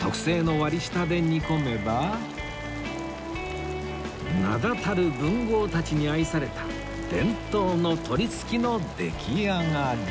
特製の割り下で煮込めば名だたる文豪たちに愛された伝統の鳥すきの出来上がり